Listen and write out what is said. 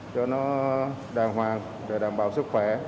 cho nó đàng hoàng đảm bảo sức khỏe